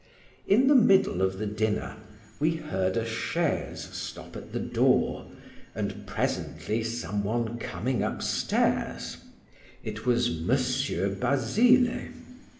In the midst of the dinner we heard a chaise stop at the door, and presently some one coming up stairs it was M. Basile.